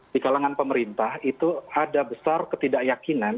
di kalangan pemerintah itu ada besar ketidakyakinan